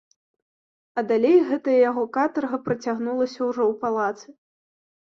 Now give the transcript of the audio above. А далей гэтая яго катарга працягнулася ўжо ў палацы.